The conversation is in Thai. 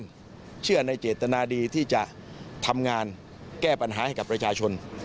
ผมเชื่อในเจตนาดีที่จะทำงานแก้ปัญหาให้กับประชาชน